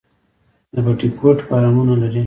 د بټي کوټ فارمونه لري